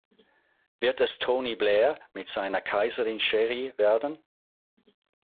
Wird es Tony Blair mit seiner Kaiserin Cherie werden?